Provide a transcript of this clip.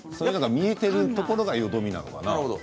見えているところがよどみなのかな？